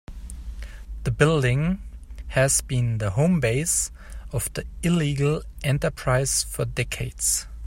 The building has been the home base of the illegal enterprise for decades.